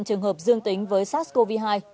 trường hợp dương tính với sars cov hai